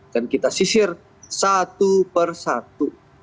dan kita sisir satu per satu